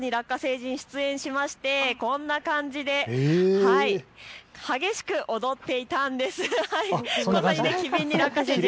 どに出演しましてこんな感じで激しく踊っていたんです。